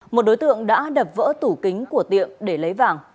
một đối tượng đã đập vỡ tủ kính của tiệm để lấy vàng